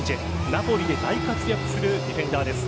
ナポリで大活躍するディフェンダーです。